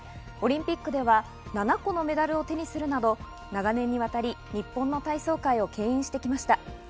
オリンピックでは７個のメダルを手にするなど長年にわたり日本の体操界を牽引してきました。